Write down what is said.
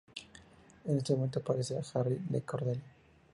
En ese momento aparece Harriet y Cordelia.